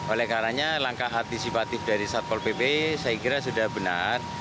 oleh karena langkah antisipatif dari satpol pp saya kira sudah benar